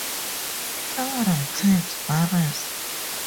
Flowering time varies.